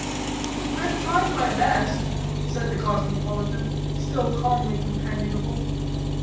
"I am trying my best," said the cosmopolitan, still calmly companionable.